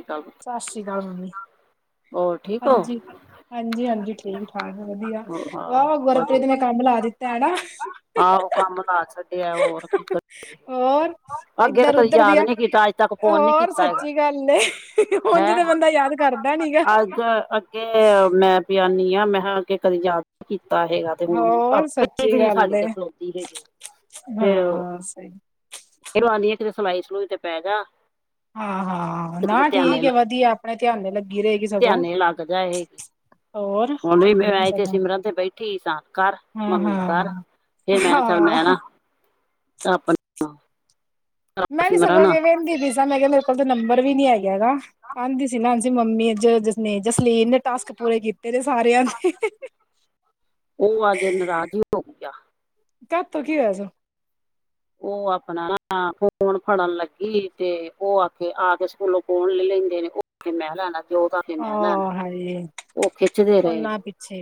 ਹੋਰ ਸਤਿ ਸ਼੍ਰੀ ਅਕਾਲ ਮੰਮੀ ਠੀਕ ਹੋ ਹਾਂਜੀ। ਹਾਂਜੀ- ਹਾਂਜੀ ਠੀਕ -ਠਾਕ ਵਧੀਆ। ਆਹ ਵਾਹ ਗੁਰਪ੍ਰੀਤ ਵਧੀਆ ਨੇ ਕੰਮ ਲਾ ਦਿੱਤਾ ਹਨਾ ਆਹੋ ਕੰਮ ਵਧਾ ਛ ਹੋਰ ਹੋਰ ਅੱਗੇ ਤਾਂ ਇੱਧਰ ਕਦੀ ਉਧਰ ਯਾਦ ਨੀ ਕੀਤਾ। ਅੱਜ ਤੱਕ ਫੋਨ ਨੀ ਕੀਤਾ ਹੈਗਾ। ਕਹਿੰਦੇ ਉਂਝ ਤੇ ਬੰਦਾ ਯਾਦ ਕਰਦਾ ਨੀ ਗਾ। [unintelligible] ਕੇ ਮੈਂ ਤੇ ਆਨੀ ਆ। ਮੈਂ ਕਿਹਾ ਕੇ ਕਦੇ ਯਾਦ ਕੀਤਾ ਹੈਗਾ, ਤੇ ਹੁਣ ਹੋਰ ਪਾਪੇ ਸੱਚੀ ਗੱਲ ਏ [unintelligible] ਹਾਂ, ਸਹੀ ਗੱਲ ਫਰੀ ਹੁੰਦੀ ਹੈ, ਤਾਂ ਕਿਤੇ ਸਲਾਈ- ਸਲੂਈ ਤੇ ਪੈਜਾ। ਹਾਂ -ਹਾਂ। ਤੇ ਕਿਤੇ ਨਾ ਧਿਆਨੇ ਠੀਕ ਲ, ਹੈ ਵਧੀਆ ਆਪਣੇ ਧਿਆਨ ਲੱਗੀ ਰਹੇਗੀ ਸਗੋਂ ਧਿਆਨੇ ਲੱਗ ਜਾਏ। ਹੋਰ ਹ ਨਹੀਂ ਠੀਕ ਮੈਂ ਤੇ ਸਗੋਂ ਸਿਮਰਨ ਤੇ ਬੈਠੀ ਸਾਂ। ਕਰ ਹਾਂ ਮੰਮੀ ਹਾਂ ਕਰ। ਫੇਰ ਮੈਂ, ਚੱਲ ਹਾਂ ਮੈਂ ਨਾ [unintelligible] ਮੈਂ ਵੀ ਸਗੋਂ ਸਿਮਰਨ ਵਹਿੰਦੀ ਪੀ ਸਾਂ, ਮੈਂ ਕਿਹਾ, ਮੇਰੇ ਕੋਲ ਤਾਂ ਨੰਬਰ ਵੀ ਨੀ ਹੈਗਾ, ਗਾ। ਆਂਹਦੀ ਸੀ ਨਾ ਹਾਂ। ਮੰਮੀ ਜਸ -ਜਸਲੀਨ ਨੇ ਟਾਸਕ ਪੂਰੇ ਕੀਤੇ ਨੇ ਸਾਰਿਆਂ ਦੇ। ਉਹ, ਅੱਜ ਨਾਰਾਜ਼ ਹੀ ਹੋ ਗਈ ਆ। ਕਾਹਤੋਂ, ਕਿ ਹੋਇਆ, ਸ ਉਹ ਆਪਣਾ ਫੋਨ ਫੜਨ ਲੱਗੀ, ਤੇ ਉਹ ਆਖੇ ਆ ਕੇ ਸਕੂਲੋਂ ਫੋਨ ਲੈ ਲੈਂਦੇ ਨੇ ਉਹ। ਕੇ ਮੈਂ ਲੈਣਾ, ਜੋ ਤਾਂ ਕੇ ਆ ਮੈਂ ਲੈਣਾ, ਹਾਏ ਉਹ ਖਿੱਚਦੇ ਰਹੇ ਫੋਨਾਂ ਨੇ। ਪਿੱਛੇ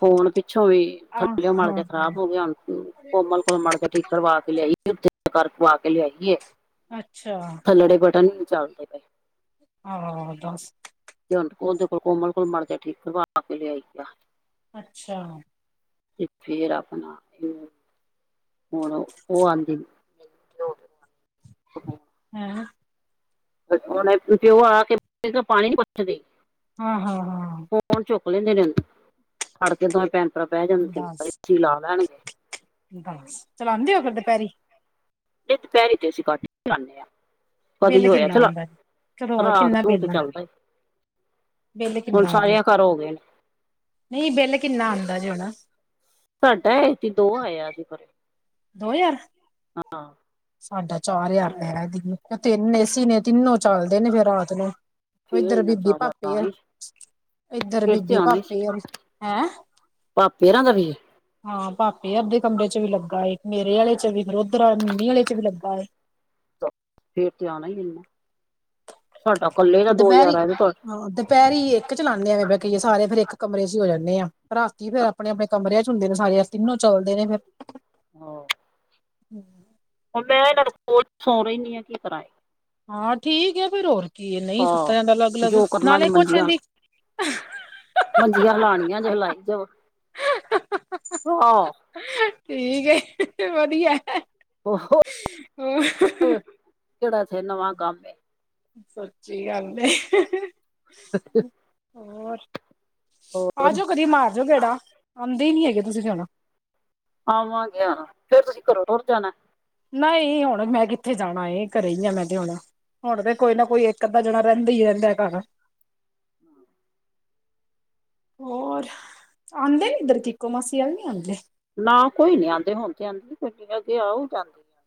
ਫੋਨ ਪਿੱਛੋਂ ਵੀ ਆਹ ਥੱਲਿਓ ਮਾੜਾ ਹਾਂ ਜਿਹਾ ਖਰਾਬ ਹੋ ਹਾਂ ਗਿਆ, ਹੁਣ ਕੋਮਲ ਕੋਲ ਮਾੜਾ ਜਿਹਾ ਠੀਕ ਕਰਾ ਕੇ ਲਿਆਈ ਏ, ਆ। ਅੱਛਾ [unintelligible] ਥੱਲੜੇ ਬਟਨ ਈ ਨਹੀਂ ਚੱਲਦੇ। [inaudible] ਹਾਅ, ਦੱਸ ਹੁਣ ਉਹਦੇ ਕੋਲ, ਕੋਮਲ ਕੋਲ ਮਾੜਾ ਜਿਹਾ, ਠੀਕ ਕਰਵਾ ਕੇ ਲਿਆਈ ਆ। ਅੱਛਾ। ਤੇ ਫੇਰ ਆਪਣਾ ਹੁਣ ਉਹ ਆਂਹਦੀ। [inaudible] ਹੈੰ ਉਹਨਾਂ ਦਾ ਪਿਓ, ਆ ਕੇ ਬਹਿ ਜਾਏਗਾ, ਪਾਣੀ ਨਹੀਂ ਪੁੱਛਦੇ। ਹਾਂ -ਹਾਂ, ਹਾਂ। ਫੋਨ ਚੁੱਕ ਲੈਂਦੇ ਨੇ, ਫੜ ਕੇ ਦੋਵੇਂ ਭੈਣ ਭਰਾ ਬਹਿ ਜਾਂਦੇ ਨ ਦੱਸ ਵਿੱਚ ਹੀ ਲਾ ਲੈਣਗੇ। ਦੱਸ, ਚਲਾਉਂਦੇ ਹੋ ਫਿਰ ਦੁਪਹਿਰੀ? ਨਹੀਂ, ਦੁਪਹਿਰੇ ਤੇ ਅਸੀਂ ਘੱਟ ਹੀ ਚਲਉਂਦੇ ਹਾਂ। ਕਦੀ ਬਿੱਲ ਹੋਇਆ, ਕਿੰਨਾ ਚਲੋ, ਆਉਂਦਾ? ਕਦੋਂ ਰਾਤ ਕਿੰਨਾ ਨੂੰ ਬਿੱਲ ਤੇ ਚੱਲਦਾ। ਬਿੱਲ ਹੁਣ, ਕਿੰਨਾ ਆਉਂਦਾ ਸਾਰਿਆਂ ਘਰ ਹੋ ਗਏ ਨੇ। ਨਹੀਂ, ਬਿੱਲ ਕਿੰਨਾ ਆਉਂਦਾ ਜੇ ਹੁਣ? ਸਾਡਾ ਐਤਕੀਂ ਦੋ ਆਇਆ ਸੀ ਖਰੇ। ਦੋ ਹਜ਼ਾਰ? ਹਾਂ। ਸਾਡਾ ਚਾਰ ਹਜ਼ਾਰੁ ਰੁਪਏ, ਤਿੰਨ ਏਸੀ ਨੇ, ਤਿੰਨੋ ਚੱਲਦੇ ਨੇ, ਫਿਰ ਰਾਤ ਨੂੰ। ਫੇਰ ਇਧਰ ਇੰਨਾ ਬੀਬੀ ਚਾਹਦਾ ਪਾਪੇ ਆਰ, ਆਈ ਏਧਰ ਫਿਰ ਬੀਬੀ ਪਾਪੇ ਅਰ, ਹੈਂ। ਭਾਪੇ, ਅਰਾਂ ਦਾ ਵੀ- ਹਾਂ, ਭਾਪੇ ਦੇ ਕਮਰੇ ਚ ਵੀ ਲੱਗਾ ਏ, ਮੇਰੇ ਆਲੇ ਚ ਵੀ, ਫਿਰ ਉਧਰ ਮੰਮੀ ਆਲੇ ਚ ਵੀ ਲੱਗਾ ਫੇਰ ਤੇ ਆਉਣਾ ਹੀ ਇਨਾਂ, ਸਾਡਾ ਇਕੱਲੇ ਦਾ ਦੋ ਹਜ਼ਾਰ ਆ ਤੁਹਾਡੇ ਪੈਰੀ ਹੀ ਇੱਕ ਚਲਾਉਂਨੇ ਆ, ਐਵੇ ਪਏ ਕਹੀਏ, ਸਾਰੇ ਫੇਰ ਇੱਕ ਕਮਰੇ ਚ ਹੀ ਹੋ ਜਾਂਨੇ ਆਂ ਰਾਤੀ ਫੇਰ ਆਪਣੇ -ਆਪਣੇ ਕਮਰਿਆਂ ਚ ਹੁੰਦੇ ਨੇ ਸਾਰੇ ਤਿੰਨੋ, ਚੌਲਦੇ ਨੇ ਫਿਰ ਹਾਂ ਹਮ ਹੁਣ ਮੈਂ ਇਹਨਾਂ ਨੂੰ ਫੋਨ, ਫੋਨ ਹੀ ਨਹੀਂ, ਹਾਂ ਕੀ ਕਰਾ ਏ ਹਾਂ ਠੀਕ ਆ, ਫਿਰ ਹੋਰ ਕੀ, ਨਹੀਂ ਸੁੱਤਾ ਹਾਂ ਜਾਂਦਾ ਅਲੱਗ- ਅਲੱਗ ਜੋ ਕਰਨਾ ਨਾਲੇ ਜੇ ਕੁਛ ਮੰਜੀਆਂ ਏਂਹਦੀ- ਮੰਜੀਆਂ ਹਿਲਾਂੜੀਆ, ਨੇ ਹਿਲਾਈ ਜਾਓ। [unintelligible] [inaudible] ਠੀਕ ਹੈ ਵਧੀਆ ਐ, ਓਹੋ, ਹੋਰ? ਕਿਹੜਾ, ਇਥੇ ਨਵਾਂ ਕੰਮ ਏ ਸੱਚੀ ਗੱਲ ਏ ਹੋਰ ਹੋਰ ਆਜੋ ਕਦੀ ਮਾਰ ਜੋ ਗੇੜਾ, ਆਂਦੇ ਈ ਨੀ ਹੈਗੇ ਤੁਸੀਂ ਤੇ ਹੁਣ ਆਵਾਂਗੇ ਹੁਣ ਫੇਰ ਤੁਸੀਂ ਘਰੋਂ ਟੁੱਰ ਜਾਣਾ। ਨਈ ਹੁਣ ਮੈਂ ਕਿੱਥੇ ਜਾਣਾ ਏ ਘਰੇ ਈ ਆ ਮੈਂ ਤੇ ਹੁਣ, ਹੁਣ ਤੇ ਕੋਈ ਨਾ ਕੋਈ ਇੱਕ ਅੱਧਾ ਜਣਾ ਰੈਂਦਾ ਹੀ ਰੈਂਦਾ ਘਰ ਹੋਰ, ਆਂਦੇ ਨੀ ਇੱਧਰ ਕਿਕੋ ਮਾਸੀ ਆਲ ਨੀ ਆਂਦੇ ਨਾ ਕੋਈ ਨੀ ਆਂਦੇ, ਹੁਣ ਤੇ ਆਂਦੀ ਕੋਈ ਨੀ ਮੈ ਅੱਗੇ ਆ ਓ ਜਾਂਦੀ ਆ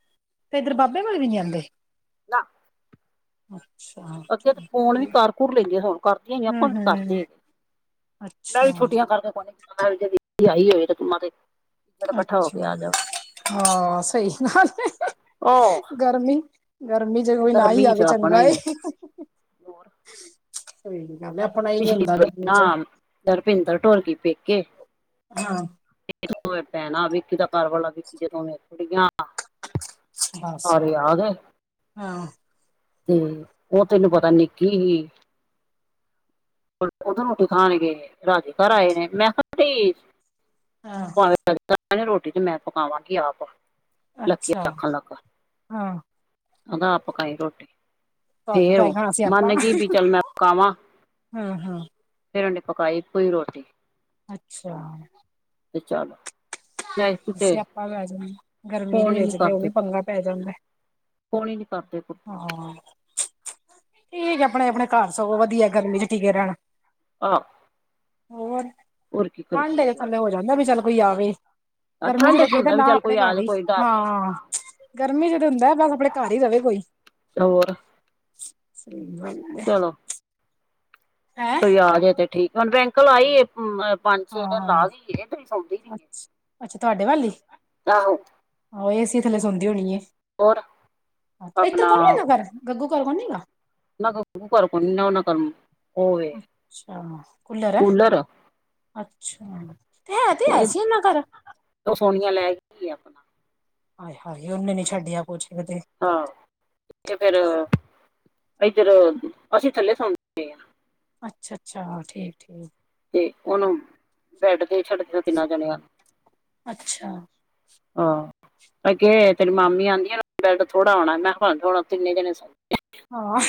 ਤੇ ਇੱਧਰ ਬਾਬੇ ਵਾਲ ਵੀ ਨੀ ਆਂਦੇ ਨਾ। ਅੱਛਾ। ਅੱਗੇ ਤੇ ਠੀਕ ਫੋਨ ਵੀ ਏ ਕਰ ਕੁਰ ਲੈਂਦੇ ਹਾ ਹੁਣ ਕਰਦੀਆਂ ਈ ਹੂੰ ਆਪਾਂ ਵੀ ਹੂੰ ਕਰਦੇ। ਮੈਂ ਵੀ ਅੱਛਾ ਛੁੱਟੀਆਂ ਕਰਕੇ ਕੋਣੀ ਆਈ [unintelligible] ਹੋ ਕੇ ਅੱਛਾ, ਆ ਜਾਵੇ ਹਾਂ ਸਈ ਗਲ ਐ, ਆਹ ਗਰਮੀ ਗਰਮੀ ਚ ਕੋਈ ਨਾ ਈ ਗਰਮੀ ਚ ਆਵੇ ਆਪਣਾ ਚੰਗਾ ਐ ਹੀ ਹੋਰ ਸਈ ਗੱਲ ਐ। ਪਿਛਲੀ ਬਈ ਨਾ ਰਪਿੰਦਰ ਤੌਰ ਪਈ ਪੇਕੇ ਹਾਂ। ਭੈਣਾ ਵਿਕੀ ਦਾ ਘਰਵਾਲਾ ਵਿਕੀ ਜਦੋਂ ਮੈਂਥੜੀਆਂ ਬਸ ਸਾਰੇ ਹਾਂ ਯਾਦ ਐ। ਉਹ ਤੈਨੂੰ ਪਤਾ ਨਿੱਕੀ ਹੀ ਉਦੋਂ ਰੋਟੀ ਖਾਣਗੇ ਰਾਜੇ ਘਰ ਆਏ ਨੇ ਮੈਂ ਸੁੱਤੀ ਸੀ। ਹਾਂ। ਰੋਟੀ ਤੇ ਮੈਂ ਪਕਾਵਾਂਗੀ ਆਪ ਅੱਛਾ ਲੱਕੀਆਂ ਲੱਖਾਂ ਲਗ ਹਾਂ ਉਦਾ ਆ ਪਕਾਈ ਰੋਟੀ ਤੁਹਾਨੂੰ ਫੇਰ ਪੈ ਓ ਜਾਣਾ ਮੰਨ ਗਈ ਬ ਚੱਲ ਮੈਂ ਪਕਾਵਾਂ ਹੂੰ-ਹੂੰ। ਫੇਰ ਉਨੇ ਪਕਾਈ ਕੋਈ ਇੱਕੋ ਈ ਰੋਟੀ। ਅੱਛਾ। ਚਲੋ [unintelligible] ਆਓ ਲੈ ਜਾਵਾ, ਗਰਮੀ ਦੇ ਵਿੱਚਦੇ ਓਵੀ ਪੰਗਾ ਪੈ ਜਾਂਦਾ। ਕੋਣੀ ਨੀ ਕਰਦੇ ਕੁ ਹਾਂ। ਠੀਕ ਐ ਅਪਣੇ-ਅਪਣੇ ਘਰ ਸਗੋਂ ਵਦੀਆ ਗਰਮੀ ਚ ਟਿਕੇ ਰੈਣ ਆਂ। ਹੋਰ, ਠੰਡ ਕਰੀਏ ਇਚ ਥੱਲੇ ਹੋ ਜਾਂਦਾ ਵੀ ਚੱਲ ਕੋਈ ਆਵੇ ਆ ਗਰਮੀ ਚ ਠੰਡੇ [unintelligible] ਹੁੰਦਾ ਵੀ ਨਾ ਚੱਲ ਅਪਣੇ ਕੋਈ ਘਰ ਆ ਜਾ ਦੀ, ਕੋਈ ਡਰ ਨੀ ਹਾਂ ਗਰਮੀ ਚ ਤੇ ਹੁੰਦਾ ਬਸ ਅਪਣੇ ਘਰ ਈ ਰਵੇ ਕੋਈ। ਹੋਰ। ਸਈ ਗਲ ਚਲੋ ਹੈਂ ਕੋਈ ਆ ਗਿਆ ਤੇ ਠੀਕ ਹੁਨ ਬੈਂਕਲ ਆਈ ਏ। ਹੂੰ, ਐ ਪੰਜ, ਛੇ ਹਾਂ ਦਿਨ ਹਾਂ ਲਾ ਵੀ ਗੇ ਤੇ ਸੋਂਦੇ ਹਨ ਸੀਗੇ, ਅੱਛ ਅੱਛਾ ਤੁਹਾਡੇ ਵੱਲ ਈ ਆਹੋ। ਆਹੋ ਏ ਸੀ ਥੱਲੇ ਸੋਂਦੀ ਹੋਨੀ ਏ, ਹੋਰ ਹਾਂ ਇੱਧਰ ਆਪਣਾ [unintelligible] ਗੱਗੂ ਘਰ ਕੋਈ ਨਿਗਾ। [unintelligible] ਅੱਛਾ, ਕੁੱਲਰ ਐ। ਕੂਲਰ ਅੱਛਾ, ਤੇ ਹੈ ਤੇ ਹੈ ਸੀ ਓੱਨਾ ਘਰ। ਓ ਸੋਨੀਆ ਲੈ ਗਈ ਏ ਅਪਨਾ। ਆਏ ਹਾਏ ਉੱਨੇ ਨੀ ਛੱਡਿਆ ਕੁਛ ਵੀ ਤੇ। ਹਾਂ ਇਹ ਫਿਰ ਇੱਧਰ, ਅਸੀ ਥੱਲੇ ਸੋਨੇ ਪਏ ਆ। ਅੱਛ-ਅੱਛਾ, ਠੀਕ-ਠੀਕ। ਤੇ ਓਨੂੰ ਬੈਡ ਤੇ ਈ ਛੱਡ ਤਾਂ ਤਿੰਨਾਂ ਜਣਿਆਂ ਨੂੰ। ਅੱਛਾ ਹਾਂ। ਮੈਂ ਕਿਹਾ ਤੇਰੀ ਮਾਮੀ ਆਂਦੀ ਏਨਾ ਬੇਡ ਥੋੜਾ ਹੋਣਾ ਨਾ ਪਵੇ ਤਿੰਨੇ ਜਨੇ ਸੋ ਹਾ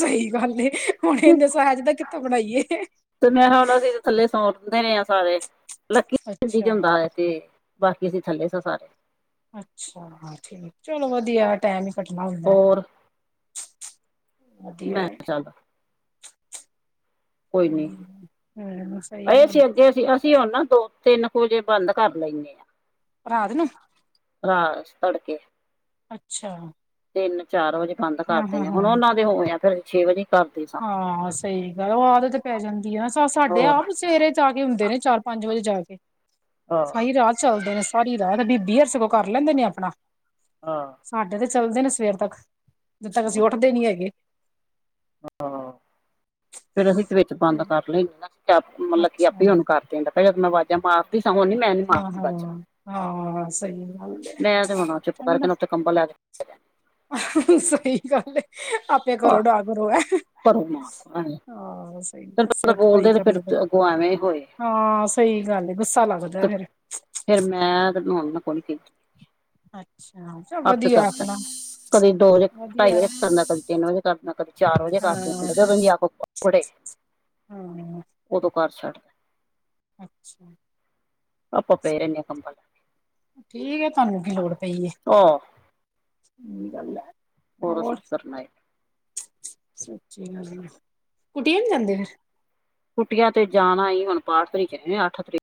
ਸਹੀ ਗੱਲ ਏ ਹੁਣ ਇੰਨੇ ਸਾਇਜ ਦਾ ਕਿੱਥੋ ਬਣਾਈਏ। ਤੇ ਮੈਂ ਹੁਣ ਅਸੀਂ ਤੇ ਥੱਲੇ ਸੌਣਦੇ ਰਹੇ ਹਾਂ ਸਾਰੇ ਲੱਕੀ [unintelligible] ਅੱਛਾ ਸੀ ਬਾਕੀ ਅਸੀ ਥੱਲੇ ਸਾ ਸਾਰੇ। ਅੱਛਾਹਾ ਠੀਕ ਚਲੋ ਵਧੀਆ ਟੈਮ ਹੀ ਕੱਟਣਾ ਹੁੰਦਾ। ਹੋਰ ਵਧੀਆ ਮੈਂ ਏ। ਕਿਹਾ ਚੱਲ ਕੋਈ ਨੀ ਹੂੰ ਸਹੀ ਆਏ ਗੱਲ ਸੀ ਅੱਗੇ ਸੀ ਅਸੀ ਹੁਣ ਨਾ ਦੋ ਤਿੰਨ ਕੁ ਵਜੇ ਬੰਦ ਕਰ ਲੈਂਨੇਂ ਆ। ਰਾਤ ਨੂੰ। ਰਾਹ ਚ ਤੜਕੇ। ਅੱਛਾ। ਤਿੰਨ ਚਾਰ ਵਜੇ ਬੰਦ ਹਾਂ ਕਰਦੇ ਹਾਂ ਨੇ ਹੁਨ ਹਾਂ ਉਹਨਾਂ ਦੇ ਹੋਨੇਂ ਆ ਘਰੇ ਛੇ ਵਜੇ ਕਰਦੇ ਸਾਂ ਹਾਂ ਸਹੀ ਗੱਲ ਓਹ ਆਦਤ ਪੈ ਜਾਂਦੀ ਏ ਨਾ ਸਾ ਸਾਡੇ ਹੋਰ ਆਪ ਹੀ ਸਵੇਰੇ ਜਾ ਕੇ ਹੁੰਦੇ ਨੇਂ ਚਾਰ ਪੰਜ ਵਜੇ ਜਾ ਕੇ, ਆਹ ਸਾਰੀ ਰਾਤ ਚਲਦੇ ਨੇਂ। ਸਾਰੀ ਰਾਹ ਬੀਬੀ ਔਰ ਸਗੋ ਕਰ ਲੈਂਦੇ ਨੇ ਆਪਣਾ ਆਹ ਸਾਡੇ ਤੇ ਚੱਲਦੇ ਨੇ ਸਵੇਰ ਤੱਕ। ਜਦੋ ਤੱਕ ਅਸੀ ਆਹ ਉੱਠਦੇ ਨੀ ਹੈਗੇ। ਆਹ ਫੇਰ ਅਸੀ ਵਿੱਚ ਬੰਦ ਕਰ ਲਈ ਨਾ ਮਲਬ ਕੀ ਅੱਛਾ ਆਪੇ ਹੀ ਹੁਣ ਕਹਿੰਦਾ ਪਿਆ ਮੈਂ ਅਵਾਜਾ ਮਾਰਦੀ ਸਾ ਹੁਣ ਨੀ ਮੈਂ ਹਾਂ ਮਾਰਦੀ ਵਾਜ਼ਾ। ਹਾਂ ਹਾਂ ਸਹੀ ਗੱਲ। ਹੈ, ਮੈਂ ਤੇ ਮੋਨਾ ਚੁੱਪ ਠੰਡਾ ਕਰਕੇ ਉੱਥੇ ਕੰਬਲ ਲੈ ਕੇ [inaudible] ਸਹੀ ਗੱਲ ਏ ਆਪੇ ਆਹ ਕਰੋ ਨਾ ਕਰੋ। ਭਰੋ ਮਾਰ ਐਵੇਂ ਹਾਂ ਸਹੀ ਤੈਨੂੰ ਪਤਾ ਸਿਰ ਘਪਾਈ ਬੋਲਦੇ ਤੇ ਫਿਰ ਕਰਨੀ ਪਈ ਅੱਗੋਂ ਐਵੇਂ ਹੀ ਹੋਏ ਹਾਂ ਸਹੀ ਗੱਲ ਏ ਗੁੱਸਾ ਲੱਗ ਫਿਰ ਮੈਂ [unintelligible] ਅੱਛਾ ਚਲ ਆਪੇ ਵਧੀਆ ਕਰਤਾ ਆਪਨਾ। ਕਦੀ ਦੋ ਤੋ ਢਾਈ ਵਜੇ ਕਰਨਾ ਕਦੇ ਤਿੰਨ ਵਜੇ ਕਰਨਾ ਕਦੇ ਚਾਰ ਵਜੇ ਹਾਂ [inaudible] ਹਮ। ਉਹਦੋ ਕਰ ਛੱਡ। ਅੱਛਾ। ਆਪਾ ਪਏ ਰਹਿਨੇ ਆ ਕੰਬਲ ਲੈ ਠੀਕ ਹੈ ਤੁਹਾਨੂੰ ਕੀ ਲੋੜ ਪਈ ਏ ਆਹ ਸਹੀ ਗੱਲ ਹੈ। ਅਸੀਂ ਹੋਰ ਕੀ ਕਰਨਾ ਹੈ ਸੱਚੀ ਗੱਲ ਹੈ, ਕੁਟੀਆ ਨੀ ਜਾਂਦੇ ਫਿਰ। ਕੁਟੀਆ ਤੇ ਜਾਨਾ ਈ ਹੁਨ ਪਾਠ ਤਰੀ ਦੇ ਨੇ ਅੱਠ ਤਰੀ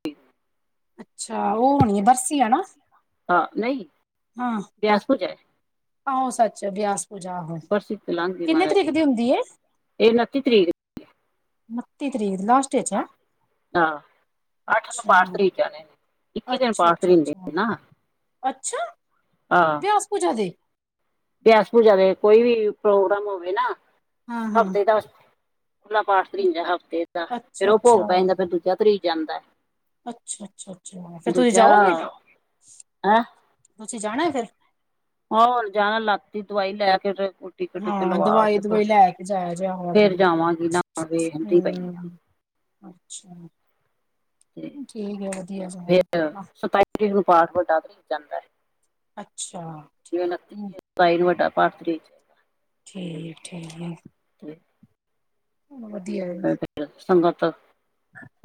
ਅੱਛਾ ਉਹ ਹੋਨੀ ਬਰਸੀ ਹੈ ਨਾ। ਹਾਂ, ਨਹੀਂ। ਹਾਂ। [unintelligible] ਆਹੋ ਸੱਚ ਬਿਆਸ ਪੂਜਾ ਆਹੋ ਬਰਸੀ ਤੇ ਲੰਘ ਗਈ ਕਿੰਨੇ ਮਹਾਰਾਜ ਤਰੀਕ ਜੀ ਦੀ ਹੁੰਦੀ ਏ। ਇਹ ਉਨਤੀ ਤਰੀਕ ਉਨਤੀ ਤਰੀਕ ਲਾਸਟ ਚ ਹੈ। ਹਾਂ ਅੱਠ ਨੂੰ ਪਾਠ ਧਰੀ ਜਾਣੇ ਨੇ ਇੱਕੀ ਦਿਨ ਅੱਛਾ ਅੱਛਾ ਅੱਛਾ ਧਰਿੰਦੇ ਅੱਛਾ ਨੇ ਨਾ। ਅੱਛਾ ਹਾਂ ਬਿਆਸ ਪੁੱਜਾ ਦੇ? ਬਿਆਸ ਪੂਜਾ ਦੇ ਕੋਈ ਵੀ ਪ੍ਰੋਗਰਾਮ ਹੋਵੇ ਨਾ ਹਾਂ ਹਾਂ ਹਫ਼ਤੇ ਦਾ ਖੁਲਾ ਪਾਠ ਤਰੀਦਾ ਹਫ਼ਤੇ ਦਾ ਫੇਰ ਅੱਛਾ ਉਹ ਭੋਗ ਅੱਛਾ ਪੈ ਜਾਂਦਾ ਫੇਰ ਦੂਜਾ ਤਰੀ ਜਾਂਦਾ। ਅੱਛਾ-ਅੱਛਾ, ਅੱਛਾ ਫੇਰ ਤੁਸੀ ਦੂਜਾ ਜਾਓਗੇ ਹੈਂ ਤੁਸੀ ਜਾਣਾ ਫੇਰ। ਹੋਰ ਜਾਣਾ ਲੱਤ ਦੀ ਦਵਾਈ ਲੈ ਕੇ ਤੇ ਟੀਕੇ ਟੂਕੇ ਹਾਂ ਲਵਾ ਦਵਾਈ ਕੇ ਫਿਰ ਦੁਵਾਈ ਲੈ ਕੇ ਜਾਇ ਜੇ ਆਹੋ ਫੇਰ ਆਪਣੀ ਜਾਵਾਂਗੀ ਨਹਾਉਣ ਵੇਖਦੀ ਪਈ ਆ ਹੂੰ। ਅੱਛਾ ਤੇ ਠੀਕ ਹੈ ਵਧੀਆ ਫਿਰ ਸਗੋਂ ਸਤਾਈ ਤਰੀਕ ਨੂੰ ਪਾਠ ਵਡਾ ਧਰੀ ਜਾਂਦਾ। ਅੱਛਾ ਜਿਵੇਂ ਉਨੱਤੀ ਹੂੰ। ਸਤਾਈ ਨੂੰ ਵੱਡਾ ਪਾਠ ਤਰੀ ਠੀਕ ਠੀਕ ਤੇ ਵਧੀਆ ਸੰਗਤ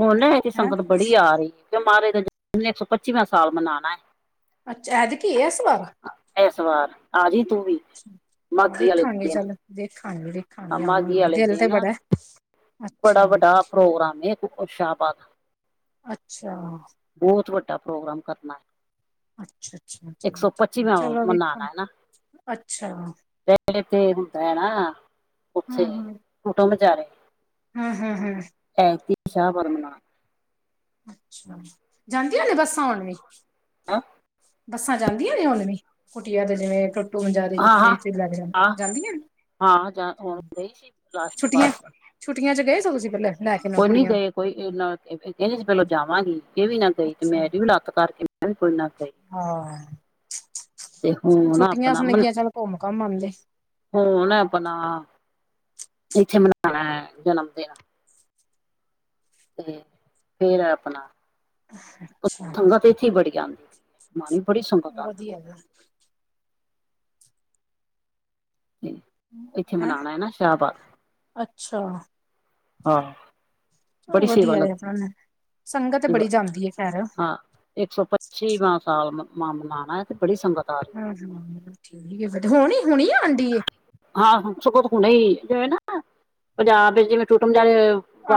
ਹੁਣ ਨਾ ਇਥੇ ਹੈਂ ਸੰਗਤ ਬੜੀ ਆ ਰਹੀ ਏ ਕਿ ਮਹਾਰਾਜ ਦਾ ਜਨਮਦਿਨ ਇੱਕ ਸੌ ਪੱਚੀਸ ਵਾਂ ਸਾਲ ਮਨਾਉਣਾ ਏ। ਅੱਛਾ ਐਤਕੀ ਇਸ ਵਾਰ ਇਸ ਵਾਰ ਆਜੀ ਅੱਛਾ ਹਾਂ ਦੇਖਾਂਗੇ ਚੱਲ ਦੇਖਾਂਗੇ। ਵੇਖਾਂਗੇ ਮਾਗੀ ਆਵਾਂਗੇ ਵਾਲੇ ਦਿਲ ਤੇ ਦਿਨ ਬੜਾ ਅੱਛਾ ਬੜਾ ਵੱਡਾ ਪ੍ਰੋਗਰਾਮ ਉ ਸ਼ਾਹਬਾਦ। ਅੱਛਾ ਬਹੁਤ ਵੱਡਾ ਪ੍ਰੋਗਰਾਮ ਕਰਨਾ ਏ। ਅੱਛਾ ਅੱਛਾ ਇੱਕ ਸੌ ਠੀਕ ਪੱਚੀਵਾ ਚਲੋ ਵੇਖਾਂ ਮਨਾਉਣਾ ਏ ਨਾ। ਅੱਛਾ ਤੇ ਹੁੰਦਾ ਏ ਨਾ ਉੱਥੇ। ਫੋਟੋ ਮਚਾਰੇ ਹੂੰ ਹੂੰ ਹੂੰ ਐਤੀ ਸ਼ਾਹ ਬਰਮਾ ਅਛਾ ਜਾਂਦੀਆਂ ਨੇ ਬੱਸਾਂ ਹੂਣ ਵੀ। ਹੈਂ, ਬੱਸਾਂ ਜਾਂਦੀਆਂ ਨੇ ਹੁਨ ਵੀ ਕੁਟਿਆ ਦੇ ਜਿਵੇਂ ਟੋਟੋ ਮੰਜ਼ ਦੇ ਹਾਂ ਹਾਂ ਕਿੱਥੇ ਲੈ ਕੇ ਹਾਂ ਜਾਂਦੀਆਂ ਨੇ। ਹਾਂ ਜਾਂ ਹੁਣ ਗਈ ਸੀ ਲਾਸਟ ਪਾਸ ਛੁਟੀਆਂ ਚ ਗਏ ਸੀ ਹੋ ਤੁਸੀਂ ਪਹਿਲੇ। ਕੋਈ ਨੀ ਗਏ ਕੋਈ ਏ ਨਾ ਏ ਕਹਿੰਦੇ ਸੀ ਪਹਿਲੋਂ ਜਾਵਾਂਗੀ ਇਹ ਵੀ ਨਾ ਗਈ ਤੇ ਅੱਛਾ ਮੇਰੀ ਵੀ ਲੱਤ ਕਰਕੇ ਮੈਂ ਵੀ ਕੋਈ ਨਾ ਗਈ ਹਾਂ ਤੇ ਸਗੋ ਹੁਣ ਛੁੱਟੀਆਂ ਆਪਣਾ ਸੀ ਮਨ ਗਿਆਂ ਚੱਲੋ ਘੁੰਮ ਘਮ ਆਂਦੇ। ਹੁਣ ਆਪਣਾ ਇੱਥੇ ਮਨਾਉਣਾ ਏ ਜਨਮ ਦਿਨ। ਤੇ ਫੇਰ ਆਪਣਾ ਅੱਛਾ ਸੰਗਤ ਇੱਥੇ ਵੀ ਬੜੀ ਆਉਂਦੀ ਏ, ਬੜੀ ਸੰਗਤ ਆਉਂੲੈ ੲੈ [unintelligible] ਤੇ ਇੱਥੇ ਹੈਂ ਮਨਾਉਣਾ ਏ ਨਾ ਸ਼ਾਹਬਾਦ। ਅੱਛਾ ਹਾਂ ਚਲੋ ਬੜੀ ਸੇਵਾ ਵਧੀਆ ਲੱਗੀ ਆਪਣਾ ਸੰਗਤ ਬੜੀ ਜਾਂਦੀ ਏ ਖੈਰ ਇੱਕ ਸੌ ਪੱਚੀ ਵਾ ਸਾਲ ਮਣਾਉਣਾ ਤੇ ਬੜੀ ਸੰਗਤ ਆ ਰਹੀ ਹੂੰ ਹੂੰ ਠੀਕ ਫੇਰ ਹੋਣੀ ਹੁਣੀ ਆਉਂਢੀ ਏ। ਹਾਂ ਸਗਂਤ ਹੁਣੇ ਹੀ ਜਿਵੇਂ ਨਾ ਪੰਜਾਬ ਵਿੱਚ ਜਿਵੇਂ ਟੁੱਟਮ ਜਾ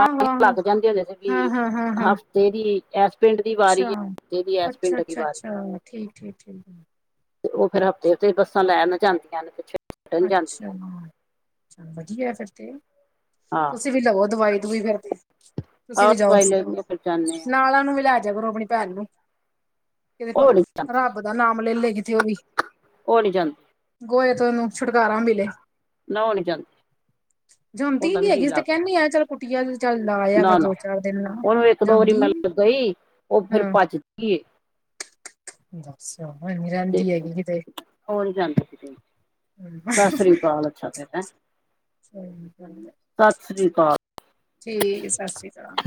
ਆਹੋ ਆਹੋ ਲੱਗ ਜਾਂਦੀ ਹੁੰਦੀ ਸੀ ਹਾਂ ਵੀ ਹਾਂ ਹਾਂ ਹਾਂ ਹਫ਼ਤੇ ਦੀ ਇਸ ਪਿੰਡ ਦੀ ਵਾਰੀ ਏ। ਅੱਛਾ-ਅੱਛਾ-ਅੱਛਾ, ਠੀਕ- ਠੀਕ-ਠੀਕ। ਤੇ ਉਹ ਫਿਰ ਹਫ਼ਤੇ ਤੇ ਬੱਸਾਂ ਲੈਣ ਜਾਂਦੀਆਂ ਨੇ ਕੁ ਅੱਛਾ ਵਧੀਆ ਫਿਰ ਤੇ। ਨੇ ਹਾਂ ਤੁਸੀਂ ਵੀ ਲਓ ਦਵਾਈ ਦਵਈ ਫਿਰ ਤੇ। ਤੁਸੀਂ ਔਰ ਵੀ ਜਾਓ ਦਵਾਈ ਲੈ ਕੇ ਫਿਰ ਜਾਂਦੇ ਆ ਨਾਲਾਂ ਨੂੰ ਵੀ ਲੈਜ ਕਰੋ ਆਪਣੀ ਭੈਰ ਨੂੰ। ਕਿਤੇ ਉਹ ਨੀ ਜਾਂਦੀ ਰੱਬ ਦਾ ਨਾਮ ਲੈ ਲਏ ਕਿਥੇ ਉਹ ਵੀ ਉਹ ਨੀ ਜਾਂਦੀ ਗੋਏ ਤ ਉਹਨੂੰ ਛੁਟਕਾਰਾ ਮਿਲੇ ਨਾ ਉਹ ਨੀ ਜਾਂਦੀ ਜਾਂ ਜਾਂਦੀ ਉਹਦਾ ਨੀ ਨਹੀ ਜੀ ਹੈਗੀ। ਅਸੀਂ ਤੇ ਲੱਗਦਾ ਕਹਿੰਦੀ ਆ ਚਲ ਕੁਟੀਆ ਚੱਲ ਲਾਆਗਾ ਨਾ ਨਾ ਦੋ ਚਾਰ ਦਿਨ ਲਾ ਉਹਨੂੰ ਇੱਕ ਦੋ ਵਾਰੀ ਮੈਂ ਜਾਂਦੀ ਨਹੀ ਗਈ ਉਹ ਫਿਰ ਹਮ। ਭੱਜਦੀ ਏ ਬੱਸ ਨ ਰਹਦੀ ਹੈਗੀ ਕਿਤੇ ਹੋ ਨ ਜਾਂਦੀ ਸੀ। ਹਮਮ ਹੈਂ ਚੱਲ ਸਤਿ ਸ੍ਰੀ ਅਕਾਲ। ਠੀਕ ਸਤਿ ਸ਼੍ਰੀ ਅਕਾਲ।